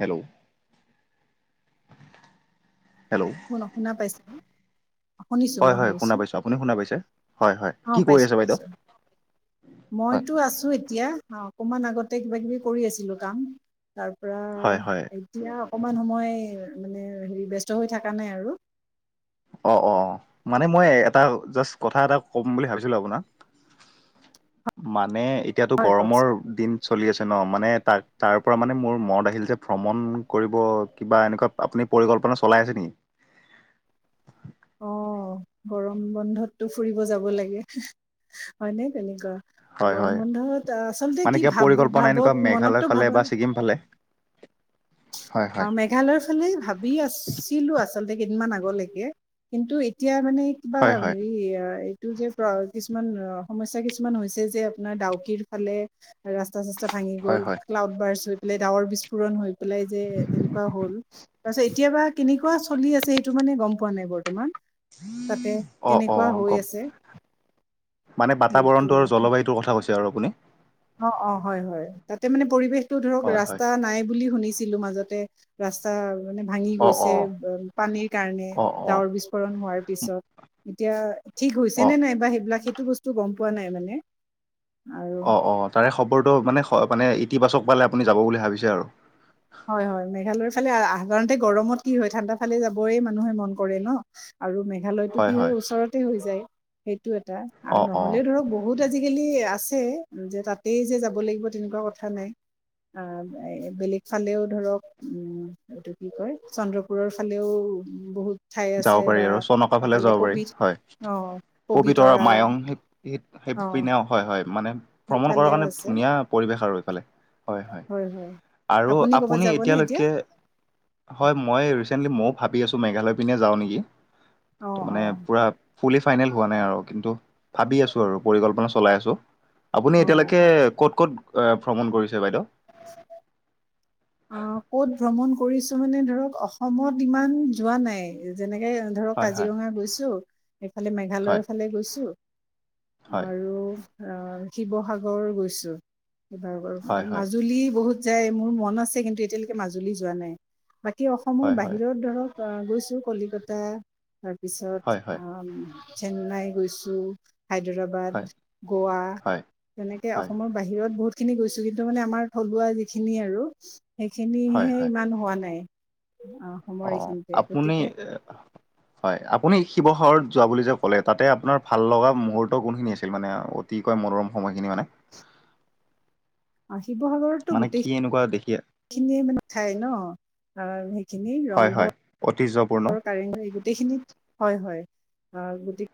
Hello. Hello. [unintelligible] শুনা পাইছে শুনিছোঁ, হয় মই হয় শুনা শুনিছোঁ, পাইছোঁ আপুনি শুনা পাইছে হয় হয় কি অ' কৰি পাইছোঁ আছে বাইদেউ পাইছোঁ। হয় মইতো আছোঁ এতিয়া, অকমান আগতে কিবা কিবি কৰি আছিলোঁ কাম। তাৰ পৰা হয় হয় এতিয়া অকমান সময় মানে হেৰি ব্যস্ত হৈ থকা নাই আৰু। অ', অ', মানে মই এটা জাষ্ট কথা এটা ক'ম বুলি ভাবিছিলোঁ আপোনাক। মানে এতিয়াতো হয় গৰমৰ কওকচোন দিন চলি আছে ন' মানে তাৰ, তাৰ পৰা মানে মোৰ মন আহিল যে ভ্ৰমণ কৰিব কিবা এনেকুৱা আপুনি পৰিকল্পনা চলাই আছে নেকি? অ গৰম বন্ধততো ফুৰিব যাব লাগে, হয় নে তেনেকুৱা। হয় হয় গৰম বন্ধত আচলতে মানে কি কিবা ভাব, পৰিকল্পনা এনেকুৱা ভাবত মেঘালয় মনততো ভাবাই ন'। [unintelligible] ফালে। হয় হয় অঁ' মে মেঘালয়ৰ ফালে ভাবি আছিলোঁ আচলতে কেইদিনমান আগলৈকে কিন্তু এতিয়া মানে- কিবা হয় হয় হেৰি আহ' এ- এইটো যে কিছুমান অঁ' সমস্যা কিছুমান হৈছে যে আপোনাৰ ডাউকিৰ ফালে ৰা ৰাস্তা-চাস্তা ভাঙি হয় গ'ল, হয় ক্লাউড বাৰ্চ হৈ পেলাই ডাৱৰ বিস্ফোৰণ হৈ পেলাই যে এনেকুৱা হ'ল। তাৰ পাছত এতিয়াবা কেনেকুৱা চলি আছে সেইটো মানে গম পোৱা নাই বৰ্তমান। তাতে অঁ অঁ কেনেকুৱা গম হৈ আছে? মানে বাতাবৰণতো সেইটো আৰু জলবায়ুতোৰ কথা কৈছে আৰু আপুনি। অঁ' অঁ' হয় হয়, তাতে মানে পৰিৱেশটো ধৰক হয় হয় ৰাস্তা নাই বুলি শুনিছিলোঁ মাজতে। ৰাস্তা মানে ভাঙি অঁ গৈছে অঁ পানীৰ কাৰণে অঁ অঁ ডাৱৰ বিস্ফোৰণ হোৱা পিচত। এতিয়া ঠিক হৈছে অঁ নে নাইবা সেইবিলাক সেইটো বস্তু গম পোৱা নাই মানে আৰু- অঁ' তাৰে খবৰটো মানে মানে ইতিবাচক ফালে আপুনি যাব বুলি ভাবিছে আৰু। হয় হয়, মেঘালয়ৰ ফালে সাধাৰণতে গৰমত কি হয় ঠাণ্ডা ফালে যাবই মানুহে মন কৰে ন'। আৰু মেঘালয়তো কি হয় ওচৰতে হৈ যায় সেইটো এটা অ আৰু অ নহ'লেও ধৰক ব বহুত আজিকালি আছেই, যে তাতেই যে যাব লাগিব তেনেকুৱা কথা নাই। অঁ' বেলেগ- ফালেও ধৰক উমঁ' এইটো কি কয় চন্দ্ৰপুৰৰ ফালেও বহুত- ঠাই যাব আছে পাৰি বা আৰু চনকা ফালে এইফালে যাব পাৰি পবিত হয়, অ পবিতৰা মায়ং সেই অ পিনে হয় হয় মানে ভ্ৰমণ কৰাৰ সেইফালেও কাৰণে আছে ধুনীয়া পৰিৱেশ আৰু এইফালে। হয় হয় আৰু ক'বাত আপুনি যাবনে এতিয়া এতিয়ালৈকে- হয়, মই ৰিচেণ্টলি ময়ো ভাবি আছো মেঘালয় পিনে যাওঁ নেকি। অ ত' অ মানে পুৰা ফুলি ফাইনেল হোৱা নাই আৰু কিন্তু- ভাবি আছোঁ আৰু পৰিকল্পনা চলাই আছোঁ, আপুনি অ এতিয়ালৈকে হয়। ক'ত ক'ত ভ্ৰমণ কৰিছে বাইদেউ? [unintelligible] অঁ' ক'ত ভ্ৰমণ কৰিছো মানে ধৰক অসমত ইমান যোৱা নাই। যেনেকে- ধৰক হয় হয় কাজিৰঙা গৈছোঁ- এইফালে মেঘালয়ৰ হয় ফালে গৈছোঁ হয় আৰু- ৰ, শিৱসাগৰ গৈছোঁ, শিৱসাগৰ হয় হয় মানে মাজুলী বহুত যায় মোৰ মন আছে- কিন্তু এতিয়ালৈকে মাজুলী যোৱা নাই। বাকী অসমৰ হয় হয় বাহিৰত ধৰক অঁ' গৈছোঁ কলিকতা- তাৰপিছত হয় হয় আহ' চেন্নাই গৈছোঁ- হায়দৰাবাদ, হয়, গোৱা- হয়, তেনেকে হয়, অসমৰ বাহিৰত বহুতখিনি গৈছোঁ কিন্তু মানে আমাৰ থলুৱা যিখিনি আৰু- হয়, সেইখিনিহে ইমান হোৱা নাই, অঁ'। অঁ' আপুনি- হয়। আপুনি শিৱসাগৰত যোৱা বুলি যে ক'লে তাতে আপোনাৰ ভাল লগা মুহূৰ্ত কোনখিনি আছিল মানে- অতিকৈ মনোৰম সময়খিনি মানে? অঁ' শিৱসাগৰ- মানে কি এনেকুৱা দেখিয়ে খিনিয়ে মানে খাই ন আৰু সেইখিনি ৰংঘ অতীজ [unintelligible] গোটেইখিনিত হয় হয় অ গতি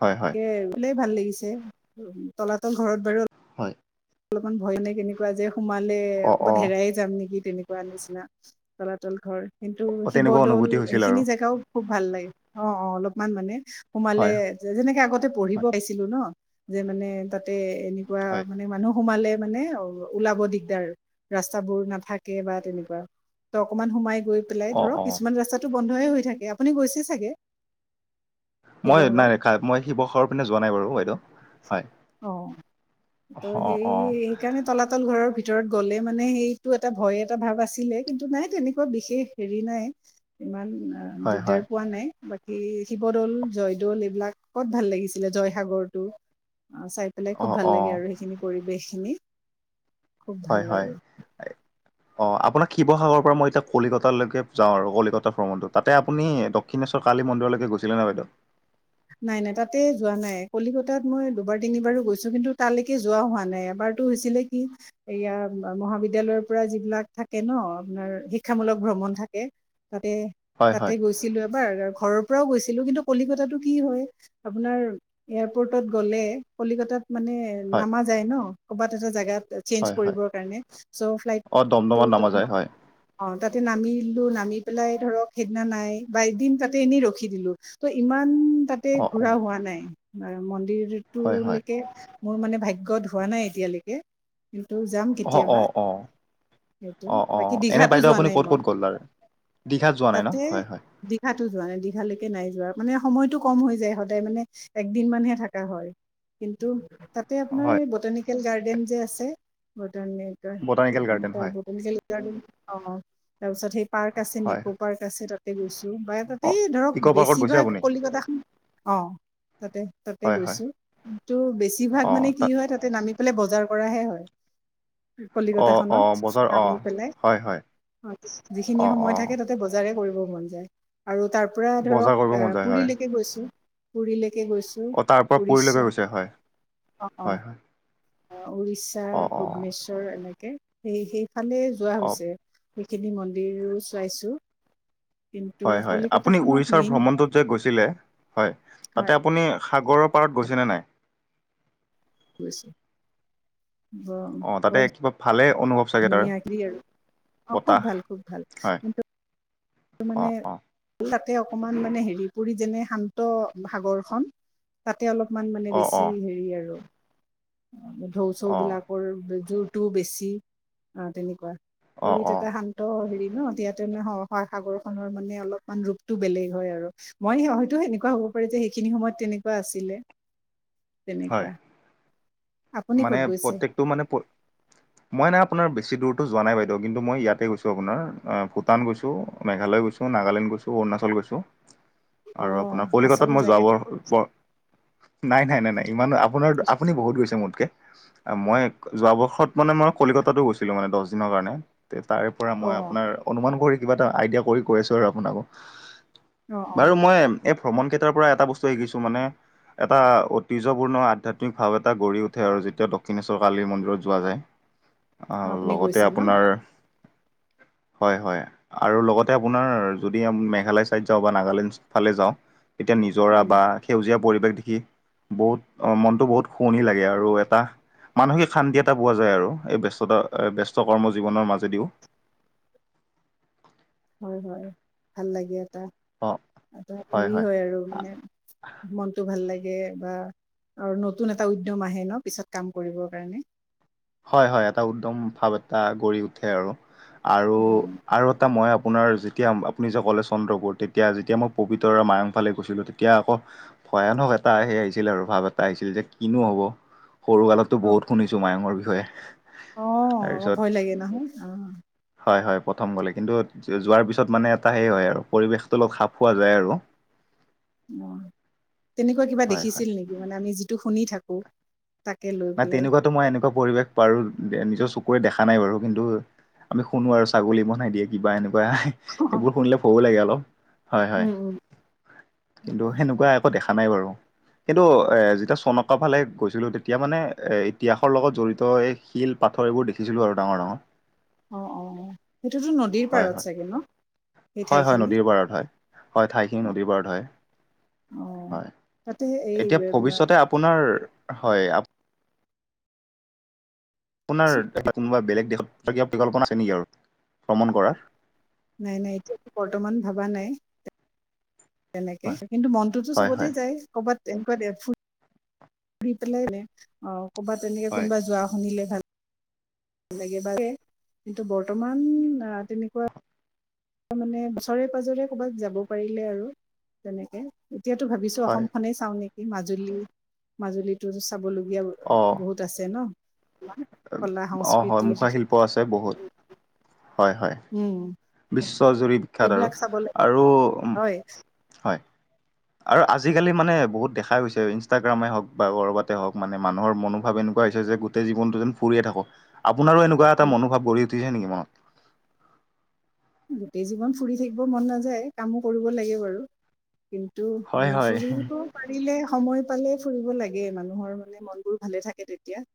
হয় হয়। কে ওলাই ভাল লাগিছে, তলাতল ঘৰত বাৰু হয়। অলপমান ভয় নাই কেনেকুৱা যে সোমালে অ', কবাত অ', হেৰাই যাম নেকি তেনেকুৱা নিচিনা তলাতল ঘৰ। কিন্তু তেনেকুৱা শিৱদৌল অনুভূতি হৈছিল সেইখিনি আৰু জেগাও খুব ভাল লাগে। অ, অ, অলপমান মানে সোমালে হয়, যে যেনেকে আগতে পঢ়িব হয়, পাইছিলো ন যে মানে তাতে এনেকুৱা হয়। মানে মানুহ সোমালে মানে ও ওলাব দিগদাৰ, ৰাস্তাবোৰ নাথাকে বা তেনেকুৱা। ত অকণমান সোমাই গৈ পেলাই অ', ধৰক অ', কিছুমান ৰাস্তাটো বন্ধয়ে হৈ থাকে আপুনি গৈছে ছাগে? মই নাই কা-মই শিৱসাগৰৰ পিনে যোৱা নাই বাৰু বাইদেউ, হয়। অ ত অ', সেই অ', কাৰণে তলাতল ঘৰৰ ভিতৰত গ'লে মানে সেইটো এটা ভয় এটা ভাৱ আছিলে কিন্তু নাই তেনেকুৱা বিশেষ হেৰি নাই, ইমান আ হয়, হয়, দিগদাৰ পোৱা নাই। বাকী শিৱদ'ল, জয়দৌল এইবিলাক ক'ত ভাল লাগিছিলে জয়সাগৰটো? অ চাই পেলাই খুব অ', ভাল লাগে অ', আৰু সেইখিনি পৰিৱেশখিনি। হয়, হয়। এই অ আপোনাক শিৱসাগৰৰ পৰা মই এতিয়া কলিকতালৈকে যাওঁ আৰু কলিকতা ভ্ৰমণটো। তাতে আপুনি দক কিনে ছ কালী মন্দিৰৰলৈকে গৈছিলে নে বাইদেউ? নাই, নাই তাতে যোৱা নাই। কলিকতাত মই দুবাৰ তিনিবাৰো গৈছো কিন্তু তালৈকে যোৱা হোৱা নাই। এবাৰ টো হৈছিলে কি? এইয়া ম-মহাবিদ্যালয়ৰ পৰা যিবিলাক থাকে ন আপোনাৰ শিক্ষামূলক ভ্ৰমণ থাকে। তাতে, হয় তাতে হয় গৈছিলো এবাৰ, ঘৰৰ পৰাও গৈছিলো কিন্তু কলিকতাতো কি হয়, আপোনাৰ এয়াৰপৰ্টত গ'লে কলিকতাত মানে হয় নামা যায় ন ক'বাত এটা জাগাত চেঞ্জ হয় হয় কৰিবৰ কাৰণে চ' অ দমদমত ফ্লাইটটোত নামা যায় অকণমান হয় অ তাতে নামি দিলো, নামি পেলাই ধৰক সেইদিনা নাই বা এদিন তাতে এনেই ৰখি দিলো। ত ইমান তাতে অ অ ঘুৰা হোৱা নাই। অ হয় হয় মন্দিৰটোৰলৈকে মোৰ মানে ভাগ্যত হোৱা নাই এতিয়ালৈকে কিন্তু যাম অ অ কেতিয়াবা। অ সেইটো অ অ বাকী এনে দীঘাটো বাইদেউ যোৱা আপুনি নাই ক'ত মই। ক'ত গ'ল তাৰে দীঘাত যোৱা নাই ন তাতে হয় হয় দীঘাটো যোৱা নাই, দীঘালৈকে নাই যোৱা মানে সময়টো কম হৈ যায় সদায় মানে একদিন মানহে থকা হয় কিন্তু তাতে আপোনাৰ হয় বোটানিকেল গাৰ্ডেন যে আছে, বোটাৰ্নেকাৰ বটানিকেল উম গাৰ্ডেন তাৰ হয় বোটানিকেল গাৰ্ডেন। অ, অ তাৰ পিছত সেই পাৰ্ক আছে হয় নিকো পাৰ্ক আছে তাতে গৈছো বা অ তাতে ধৰক ইক' পাৰ্কত গৈছে বেছিভাগ আপুনি কলিকতাখন অ তাতে, তাতে হয় হয় গৈছো। কিন্তু বেছিভাগ মানে কি হয় তাত তে নামি পেলাই বজাৰ কৰাহে হয়। অ অ কলিকতাখনত বজাৰ অ নামি পেলাই হয় হয় অ আৰ যিখিনি অ অ সময় থাকে তাত তে বজাৰে কৰিব মন যায়। আৰু তাৰ পৰা ধৰক বজাৰ কৰিব আ মন যায় হয় কে গৈছো, পুৰীলৈকে গৈছো, অ তাৰ পৰা পুৰীলৈকে উৰিষ্যা গৈছে হয় অ, অ। হয় হয় অ উৰিষ্যা, অ অ ভূৱনেশ্বৰ এনেকে সেই সেইফালে যোৱা অ হৈছে। সেইখিনি মন্দিৰো চোৱাইছো। হয়, হয়। আপুনি উৰিষ্যাৰ মেইন ভ্ৰমণটোত যে গৈছিলে হয়। তাতে আপুনি সাগৰ পাৰত গৈছেনে নাই? গৈছোঁ। অ তাতে কিবা ভালে অনুভৱ চাগে তাৰ ধুনীয়া কি আৰু অ বতাহ খুব ভাল খুব ভাল, হয় কিন্তু তু মানে, অঁ অঁ তাতে অকমান মানে হেৰি পুৰীত যেনে শান্ত সাগৰখন তাতে অলপমান মানে অঁ বেছি অঁ হেৰি আৰু ঢৌ চৌ অঁ বিলাক কৰ জোৰ টোও বেছি। আ, তেনেকুৱা। অঁ পুৰীত অঁ এটা শান ত হেৰি ন, ইয়াতে ন সা-সাগৰ খনৰ মানে অলপমান ৰূপটো বেলেগ হয় আৰু। মই হ হয়তো সেনেকুৱা হ'ব পাৰি যে, সেইখিনি সময়ত তেনেকুৱা আছিলে। [unintelligible] তেনেকুৱা আপুনি মানে ক'ত গৈছে প্ৰত্যেকটো মানে প মই নাই আপোনাৰ বেছি দূৰটো যোৱা নাই বাইদেউ, কিন্তু মই ইয়াতে গৈছোঁ আপোনাৰ আ ভূটান গৈছোঁ, মেঘালয় গৈছ। ত নাগালেণ্ড গৈছোঁ, অৰুণাচল গৈছো অ আৰু আপোনাৰ আচল কলিকতাত মই জেগা যোৱাবৰ পৰ নাই নাই নাই ইমান আপোনাৰ আপুনি বহুত গৈছে মোত কে মই যোৱা বৰ্ষত মানে মই কলিকতাতো গৈছিলো, মানে দচ দিনৰ কাৰণে। তে তাৰে পৰা অ মই আপোনাৰ, অনুমান কৰি কিবা এটা আইডিয়া কৰি কৈছোঁ আৰু আপোনাকো অ অ হয় মই এম এই ভ্ৰমণ ক্ষেত্ৰৰ পৰা এটা বস্তু শিকিছো মানে, এটা ঐতিহ্যপূৰ্ণ আধ্যাত্মিক ভাৱ এটা গঢ়ি উ ঠে আৰু যেতিয়া দক্ষিণেশ্বৰ কালিৰ মন্দিৰত যোৱা যায়। অ আপুনি লগতে গৈছে ন আপোনাৰ হয়', হয়',। আৰু লগতে আপোনাৰ যদি, অম মেঘালয় চাইদ যাওঁ বা নাগালেণ্ডছ ফালে যাওঁ এতিয়া নিজৰা উম বা সেউজীয়া পৰিৱেশ দেখি, বহুত অ মনটো বহুত শুৱনি লাগে আৰ। আৰু এটা মানসিক শান্তি এটা পোৱা যায় আৰু, এই ব্যস্ততা এ ব্যস্ত কৰ্ম জীৱনৰ মাজেদিও। হয়', হয়' ভাল লাগে এটা, অ এটা হেৰি হয় আৰু মানে মনটো ভাল লাগে বা আৰু নতুন এটা উদ্যম আহে ন', পিছত কাম কৰিবৰ কাৰণে। হয়', হয়', এটা উদম ভাৱ এটা গঢ়ি উঠে আৰু আৰু আৰু টা মই আপোনাৰ যেতিয়া আপুনি যে ক'লে, চন্দ্ৰপুৰ তেতিয়া যেতিয়া মই পবিত্ৰৰ মায়ংফালে গৈছিলোঁ তেতিয়া আকৌ ভয়ানহক এটা সে আহিছিল আৰু ভাৱ এটা আহিছিল, যে কিনো হ'ব। সৰু কালততো বহুত খুজিছোঁ মায়ঙৰ বিষয়ে। অ', তাৰপিছত ভয় লাগে নহয় অ'। হয়', হয়', প্ৰথম গ'লে কিন্তু, জো যোৱাৰ পিছত মানে এটা সেই হয় আৰু পৰিৱেশটো অলপ খাপ খোৱা যায় আৰু। অ', তেনেকুৱা কিবা হয় দেখিছিল নেকি, মানে আমি যিটো শুনি থাকো। তাকে লৈ নাই পেলাই তেনেকুৱাতো মই এনেকুৱা পৰিৱেশ, বাৰো নিজৰ চকুৰে দেখা নাই বাৰু কিন্তু আমি শুনো আৰু ছাগলী বনাই দিয়ে কিবা এনেকুৱা এইবোৰ শুনিলে ভও লাগে অলপ হয়', হয়',। উম উম কিন্তু সেনেকুৱা একো দেখা নাই বাৰু, কিন্তু এ' যেতিয়া চনকাফালে গৈছিলো তেত তিয়া মানে এ' ইতিহাসৰ লগত জড়িত, এই শিল, পাথৰ এইবোৰ দেখিছিলো আৰু ডাঙৰ ডাঙৰ। অ অ সেইটোতো নদীৰ হয়', পাৰত হয়', চাগে ন সেই হয়', হয়', ঠাইখিনি নদীৰ পাৰত হয়'। হয়', ঠাইখিনি নদীৰ পাৰত হয়', অ হয়',। তাতে এই এতিয়া ভৱিষ্যতে আপোনাৰ হয়', আপ আপোনাৰ কচোন এ' কোনোবা বেলেগ দেশত, কিবা পৰিকল্পনা আছে নেকি আৰু ভ্ৰমণ কৰা। নাই- নাই এতিয়া বৰ্তমান ভবা নাই। তেনেকে হয় কিন্তু মনটোতো হয় হয় চবতে যায়, কৰ'বাত এনেকুৱা ফ ঘুৰি পেলাই অ' ক'বাত তেনেকে হয় কোনোবা যোৱা শুনিলে ভাল ভাল লাগে বা কিন্তু বৰ্তমান আহ তেনেকুৱা তাৰ মানে ওচৰে পাজৰে কৰ'ৰবাত যাব পাৰিলে আৰু তেনেকে এতিয়াতো ভাবিছো, হয় অসম খনেই চাও নেকি মাজুলী মাজুলীতো চাবলগীয়া অ', বহুত আছে ন'। কলা অ', হয়', সংস্কৃতিৰ মুখা শিল্প আছে বহুত হয়', হয়',। উম',। বিশ্ব জুৰি বিখ্যাত আৰু সেইবিলাক চাব লাগ আৰু উম [inaudible] হয় আৰু আজিকালি মানে বহুত দেখা গৈছে, ইনষ্টাগ্ৰামে হওক বা ক'ৰবাতে হওক মানে মানুহৰ মনোভাৱ এনেকুৱা হৈছে যে জীৱনটো যেন ফুৰিয় থাকক, আপোনাৰো এনেকুৱা এটা মনোভাৱ গঢি উঠিছে নেকি মনত। গোটেই জীৱন ফুৰি থাকিব মন নাযায় কামো কৰিব লাগে বাৰু। কিন্তু হয়, হয়। ফুৰিব। পাৰিলে সময় পালে ফুৰিব লাগে মানুহৰ মানে মন বোৰ ভালে থাকে তেতিয়া।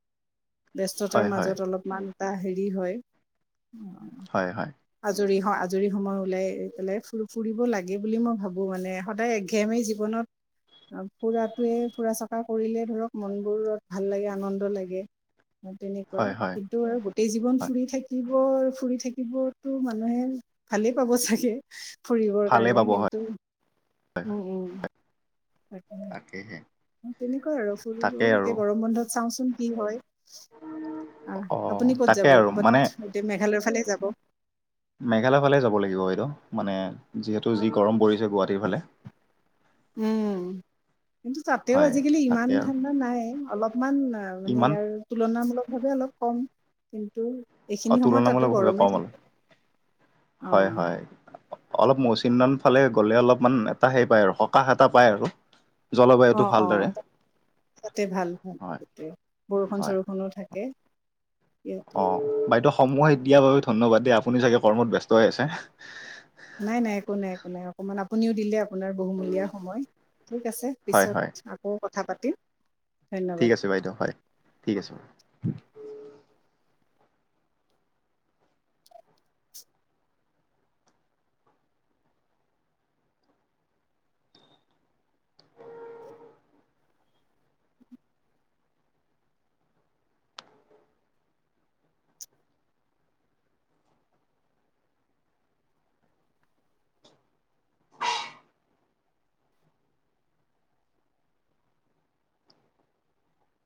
বস্ততাৰ হয়, হয়, মাজত অলপমান এটা হেৰি হয়। হয়- হয়। আজৰি হওঁ আজৰি সময় ওলাই পেলাই ফু- ফুৰিব লাগে বুলি মই ভাবো মানে সদায়। কেমেই জীৱনত। ফুৰাটোৱে ফুৰা চকা কৰিলে ধৰক মন বোৰ ভাল লাগে আনন্দ লাগে। তেনেকুৱা হয়, হয়, কিন্তু আৰু গোটেই জীৱন হয় ফুৰি থাকিব ফুৰি থাকিব। তো মানুহে ভালেই পাব চাগে ফুৰিবৰ ভালেই কাৰণে পাব হয়। কিন্তু। উম- উম উ। তাকে হে [unintelligible] তাকেহে। তেনেকুৱা আৰু তাকে আৰু এতিয়া গৰম বন্ধত চাওঁচোন কি হয়। আহ অ', আপুনি ক'ত তাকে যাব আৰু ক'বাত মানে এতি মেঘালয়ৰ ফালে যাব। মেঘালয় ফালে যাব লাগিব বাইদেউ মানে যিহেতু যি গৰম পৰিছে গুৱাহাটীৰ ফালে। উম কিন্তু তাতেও হয় আজিকালি ইমান তাকে আৰু ঠাণ্ডা নাই অলপমান। মানে ইমান ইয়াৰ তুলনামূলক ভাৱে অলপ কম কিন্তু। অ' এইখিনি সময়ত তাতো তুলনামূলক ভাৱে গৰমে কম থাকে আৰু অ হয়- হয়। অলপ মৌচিমৰম ফালে গ'লে অলপমান এটা সেই পায় আৰু সকাহ এটা পায় আৰু। [inaudible] জলবায়ুটো অ' অ' ভালদৰে তাতে ভাল -ভাল হয় ত বৰষুণ হয় চৰষুণো থাকে। ইয়াত অ' বাইদেউ দিয়াৰ বাবে ধন্যবাদ দেই আপুনি চাগে কৰ্মত ব্যস্ত আছে। নাই -নাই একো নাই একো নাই অকমান আপুনিও দিলে আপোনাৰ বহুমূলীয়া সময় ঠিক আছে। হয় পিছত হয় আকৌ কথা পাতিম। ধন্যবাদ ঠিক আছে বাইদেউ হয়, ঠিক আছে।